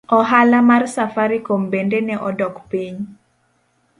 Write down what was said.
Ohala mar safaricom bende nodok piny.